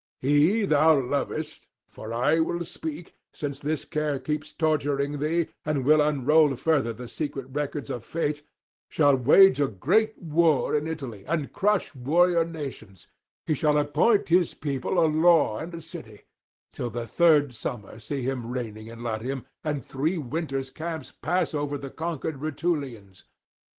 He thou lovest (for I will speak, since this care keeps torturing thee, and will unroll further the secret records of fate) shall wage a great war in Italy, and crush warrior nations; he shall appoint his people a law and a city; till the third summer see him reigning in Latium, and three winters' camps pass over the conquered Rutulians.